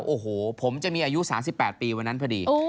โอ้โหผมจะมีอายุ๓๘ปีวันนั้นพอดี